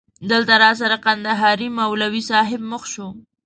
دلته راسره کندهاری مولوی صاحب مخ شو.